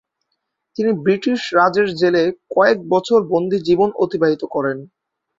তিনি ব্রিটিশ রাজের জেলে কয়েক বছর বন্দি জীবন অতিবাহিত করেন।